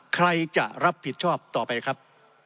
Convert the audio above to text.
ใครจะรับผิดชอบต่อไปครับ